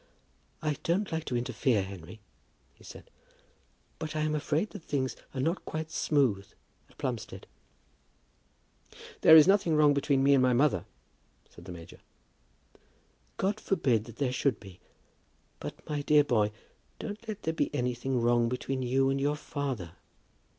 "I don't like to interfere, Henry," he said, "but I am afraid that things are not quite smooth at Plumstead." "There is nothing wrong between me and my mother," said the major. "God forbid that there should be; but, my dear boy, don't let there be anything wrong between you and your father.